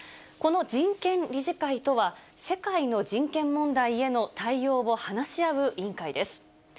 この人権理事会とは、世界の人権問題への対応を話し合う委員会です。